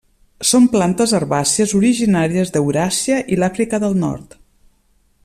Són plantes herbàcies originàries d'Euràsia i l'Àfrica del nord.